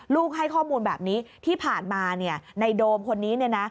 ให้ข้อมูลแบบนี้ที่ผ่านมาในโดมคนนี้